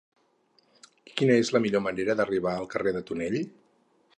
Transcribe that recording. Quina és la millor manera d'arribar al carrer del Tonell?